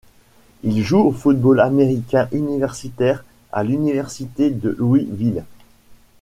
Il joue au football américain universitaire à l'université de Louisville.